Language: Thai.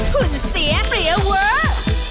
หุ่นเสียเปลี่ยวเวิร์ด